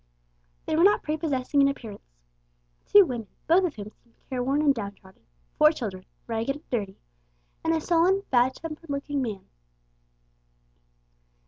They were not prepossessing in appearance. Two women, both of whom seemed careworn and down trodden, four children, ragged and dirty, and a sullen, bad tempered looking man.